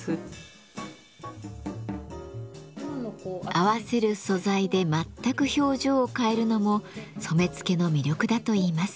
合わせる素材で全く表情を変えるのも染付の魅力だといいます。